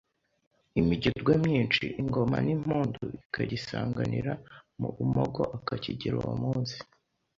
Imigerwa myinshi Ingoma n’impundu ikagisanganira mu umogo akakigera uwo munsi